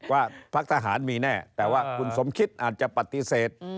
ว่าพักทหารมีแน่แต่ว่าคุณสมคิดอาจจะปฏิเสธ